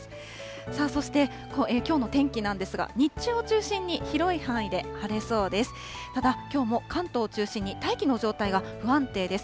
さあそして、きょうの天気なんですが、日中を中心に広い範囲で晴れそうです。